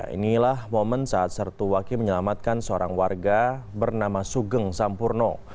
inilah momen saat sertu waki menyelamatkan seorang warga bernama sugeng sampurno